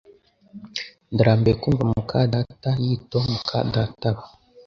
Ndarambiwe kumva muka data yito muka databa